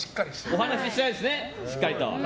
お話ししたいですね、しっかり。